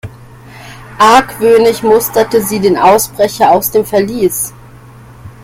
Argwöhnisch musterte sie den Ausbrecher aus dem Verlies.